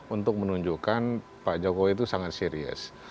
untuk menunjukkan pak jokowi itu sangat serius